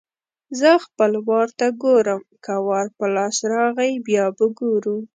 زه خپل وار ته ګورم؛ که وار په لاس راغی - بیا به ګورو.